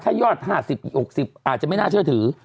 ถ้ายอด๕๐อีก๖๐อาจจะไม่น่าเชื่อถือ